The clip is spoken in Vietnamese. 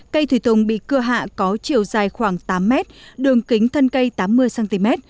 cây thủy tùng bị cưa hạ có chiều dài khoảng tám mét đường kính thân cây tám mươi cm